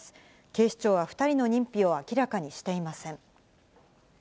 警視庁は２人の認否を明らかにしていません。